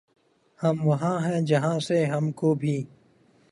ہم وہاں ہیں جہاں سے ہم کو بھی